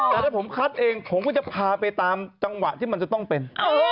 แต่ถ้าผมคัดเองผมก็จะพาไปตามจังหวะที่มันจะต้องเป็น